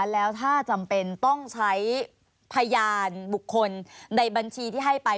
แล้วถ้าจำเป็นต้องใช้พยานบุคคลในบัญชีที่ให้ไป